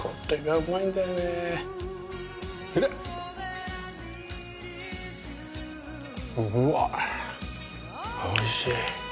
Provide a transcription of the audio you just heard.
うわおいしい。